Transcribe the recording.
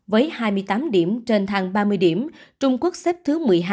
với hai mươi tám điểm trên thang ba mươi điểm trung quốc xếp thứ một mươi hai